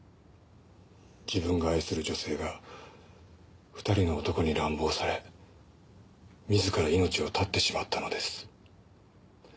自分が愛する女性が２人の男に乱暴され自ら命を絶ってしまったのです。